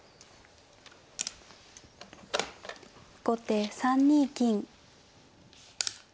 後手３二金。